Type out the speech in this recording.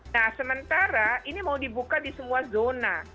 nah sementara ini mau dibuka di semua zona